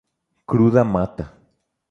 Cruda mata.